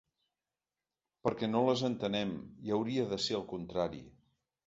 Perquè no les entenem, i hauria de ser al contrari.